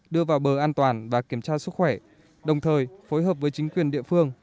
đưa vào bờ an toàn và kiểm tra sức khỏe đồng thời phối hợp với chính quyền địa phương